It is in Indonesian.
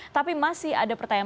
tapi masih ada pertanyaan